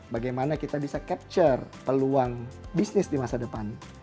bagaimana kita bisa capture peluang bisnis di masa depan